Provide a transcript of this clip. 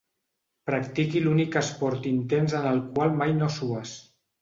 Practiqui l'únic esport intens en el qual mai no sues.